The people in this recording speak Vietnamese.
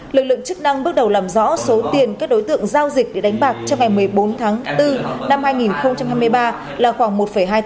lực lượng chức năng bước đầu làm rõ số tiền các đối tượng giao dịch để đánh bạc trong ngày một mươi bốn tháng bốn năm hai nghìn hai mươi một